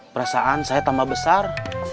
perasaan saya tambah besar